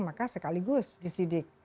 maka sekaligus disidik